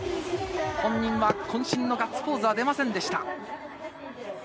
本人は、渾身のガッツポーズは出ませんでした。